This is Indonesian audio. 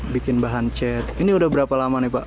bikin bahan cat ini udah berapa lama nih pak